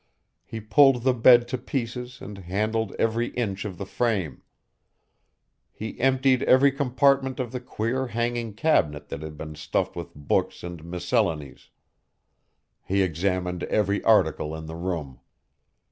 He pulled the bed to pieces and handled every inch of the frame. He emptied every compartment of the queer hanging cabinet that had been stuffed with books and miscellanies; he examined every article in the room.